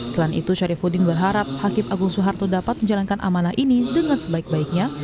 selain itu syarifudin berharap hakim agung soeharto dapat menjalankan amanah ini dengan sebaik baiknya